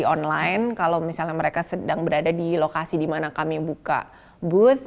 jadi online kalau misalnya mereka sedang berada di lokasi di mana kami buka booth